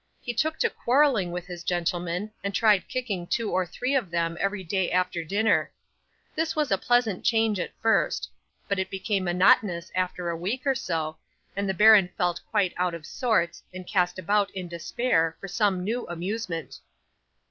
He took to quarrelling with his gentlemen, and tried kicking two or three of them every day after dinner. This was a pleasant change at first; but it became monotonous after a week or so, and the baron felt quite out of sorts, and cast about, in despair, for some new amusement.